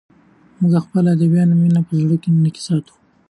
موږ د خپلو ادیبانو مینه په زړونو کې ساتو.